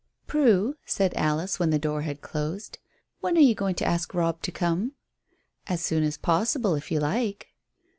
"Prue," said Alice, when the door had closed, "when are you going to ask Robb to come?" "As soon as possible, if you like."